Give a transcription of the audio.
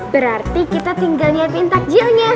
berarti kita tinggal nyiapin takjilnya